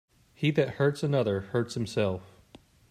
He that hurts another, hurts himself.